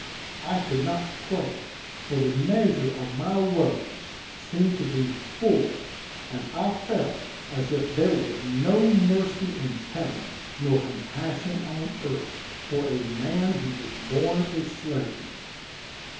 I could not pray, for the measure of my woes seemed to be full, and I felt as if there was no mercy in heaven, nor compassion on earth, for a man who was born a slave.